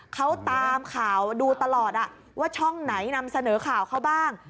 เขาตามข่าวดูตลอดว่าช่องไหนนำเสนอข่าวเขาบ้าง